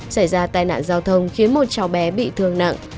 xảy ra tai nạn giao thông khiến một cháu bé bị thương nặng